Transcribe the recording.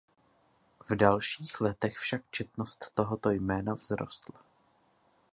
V dalších letech však četnost tohoto jména vzrostla.